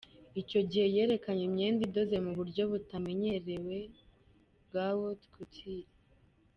Icyo gihe yerekanye imyenda idoze mu buryo butamenyereye bwa ‘haute couture’.